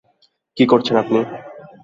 কী করছেন আপনি?